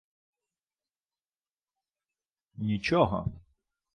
— Нічого.